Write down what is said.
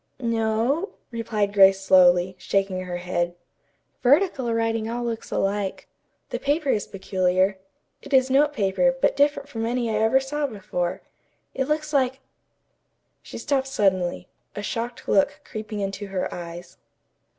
"No," replied Grace slowly, shaking her head. "Vertical writing all looks alike. The paper is peculiar. It is note paper, but different from any I ever saw before. It looks like " She stopped suddenly, a shocked look creeping into her eyes.